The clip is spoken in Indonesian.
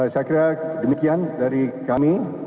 saya kira demikian dari kami